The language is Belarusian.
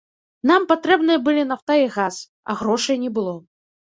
Нам патрэбныя былі нафта і газ, а грошай не было.